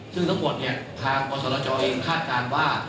ซึ่งทั้งหมดเนี่ยทางกศรจเองคาดการณ์ว่า